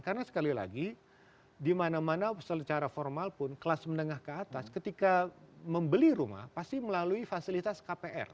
karena sekali lagi di mana mana secara formal pun kelas menengah ke atas ketika membeli rumah pasti melalui fasilitas kpr